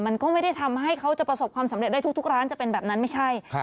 มันก็ไม่ได้ทำให้เขาจะประสบความสำเร็จได้ทุกร้านจะเป็นแบบนั้นไม่ใช่